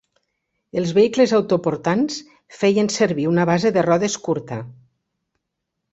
Els vehicles autoportants feien servir una base de rodes curta.